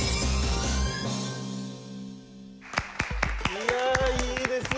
いやいいですね。